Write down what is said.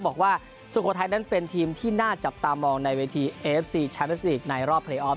สุโขทัยนั้นเป็นทีมที่น่าจับตามองในเวทีเอฟซีแชมเมสลีกในรอบเพลย์ออฟ